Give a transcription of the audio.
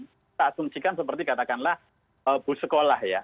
kita asumsikan seperti katakanlah bus sekolah ya